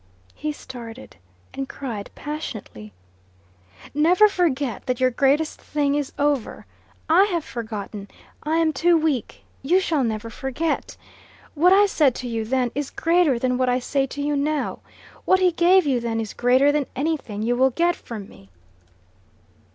He started, and cried passionately, "Never forget that your greatest thing is over. I have forgotten: I am too weak. You shall never forget. What I said to you then is greater than what I say to you now. What he gave you then is greater than anything you will get from me."